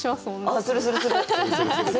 あっするするする！